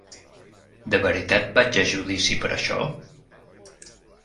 De veritat vaig a judici per això?